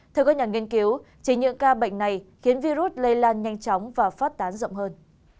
theo các nhà nghiên cứu chính những ca bệnh này khiến virus lây lan nhanh chóng và phát tán rộng hơn